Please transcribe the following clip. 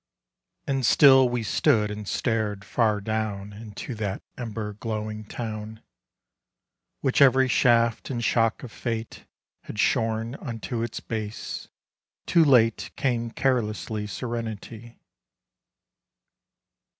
AND still we stood and stared far down Into that ember glowing town, Which every shaft and shock of fate Had shorn unto its base. Too late Came carelessly Serenity.